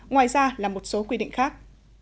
ngoài ra là một số quy định khác